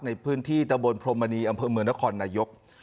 ในพื้นที่ตะบนพรมมณีอำเภอเมืองนครนายก